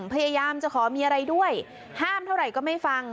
พยายามจะขอมีอะไรด้วยห้ามเท่าไหร่ก็ไม่ฟัง